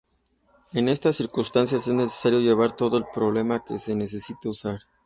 En estas circunstancias, es necesario llevar todo el propelente que se necesite usar.